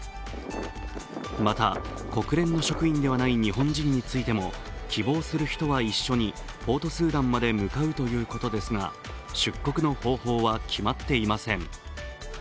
また国連の職員ではない日本人についても希望する人は一緒にポートスーダンまで向かうということですが出国の方法は決まっていません。